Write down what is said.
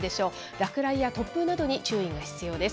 落雷や突風などに注意が必要です。